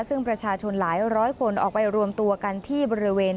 ซึ่งประชาชนหลายร้อยคนออกไปรวมตัวกันที่บริเวณ